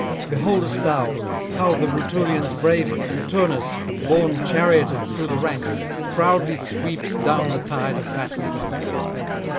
beholdest thou how the Rutulians brave it, and Turnus, borne charioted through the ranks, proudly sweeps down the tide of battle?